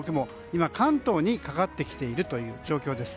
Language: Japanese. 今、関東にかかってきているという状況です。